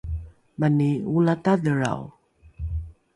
mani olatadhelrao